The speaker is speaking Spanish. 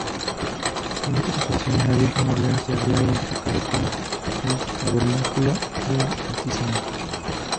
En estas "apariciones", la Virgen María se habría identificado como "el Tabernáculo del Altísimo".